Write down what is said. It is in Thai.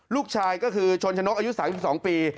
ลูกชายก็คือชนชนกอายุ๓๒ปี